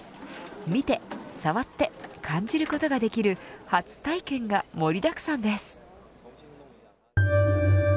見て、触って感じることができる初体験が盛りだくさんです。